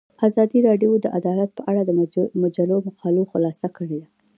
ازادي راډیو د عدالت په اړه د مجلو مقالو خلاصه کړې.